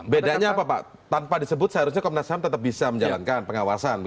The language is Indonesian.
bedanya apa pak tanpa disebut seharusnya komnas ham tetap bisa menjalankan pengawasan